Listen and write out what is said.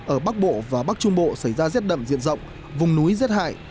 ở bắc bộ và bắc trung bộ xảy ra rét đậm diện rộng vùng núi rét hại